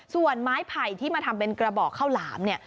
ส่วนไม้ไผ่ที่มาทำเป็นกระบอกข้าวหลามเนี่ย